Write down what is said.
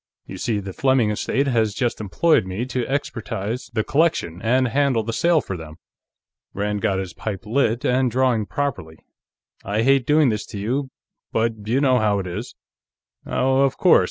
You see, the Fleming estate has just employed me to expertize the collection and handle the sale for them." Rand got his pipe lit and drawing properly. "I hate doing this to you, but you know how it is." "Oh, of course.